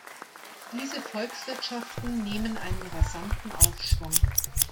Diese Volkswirtschaften nehmen einen rasanten Aufschwung.